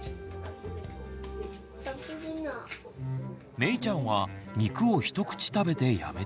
めいちゃんは肉を一口食べてやめてしまいました。